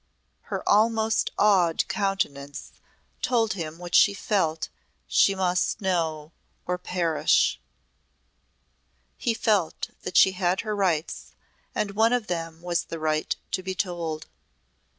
Her almost awed countenance told him what she felt she must know or perish. He felt that she had her rights and one of them was the right to be told.